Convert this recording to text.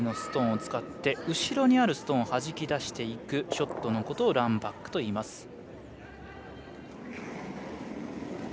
前のストーンを使って後ろにあるストーンをはじき出していくショットをランバックといいます。